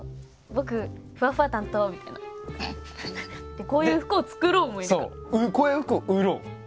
でこういう服も作ろうもいる。